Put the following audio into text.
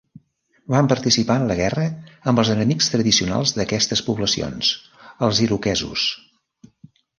Van participar en la guerra amb els enemics tradicionals d'aquestes poblacions, els iroquesos.